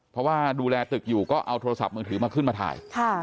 เพราะว่าดูแลตึกอยู่ก็เอาโทรศัพท์มือถือมาขึ้นมาถ่าย